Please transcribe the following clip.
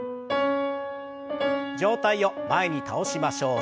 上体を前に倒しましょう。